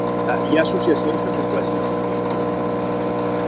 Hi ha associacions que compleixin els requisits.